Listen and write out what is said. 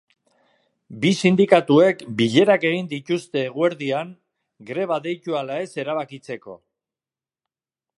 Bi sindikatuek bilerak egin dituzte egurdian greba deitu ala ez erabakitzeko.